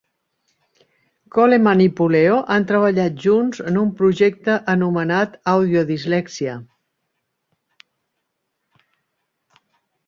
Coleman i Puleo han treballat junts en un projecte anomenat Audio Dyslexia.